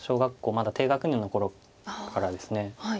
まだ低学年の頃からですね。